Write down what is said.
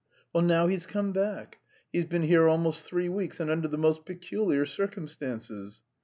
"Well, now he's come back. He's been here almost three weeks and under the most peculiar circumstances."